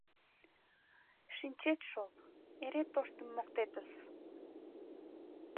Шичнет шол: эре тоштым моктетыс!